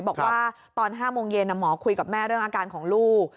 บอกว่าตอน๕โมงเย็นหมอคุยกับแม่เรื่องอาการของลูก